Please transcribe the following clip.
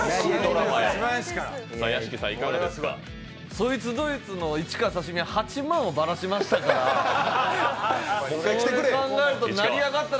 そいつどいつの市川刺身、８万をバラシましたからそれを考えると成り上がったな